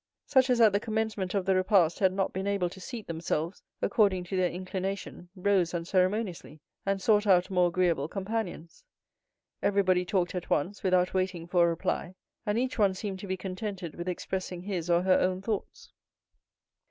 Such as at the commencement of the repast had not been able to seat themselves according to their inclination rose unceremoniously, and sought out more agreeable companions. Everybody talked at once, without waiting for a reply and each one seemed to be contented with expressing his or her own thoughts.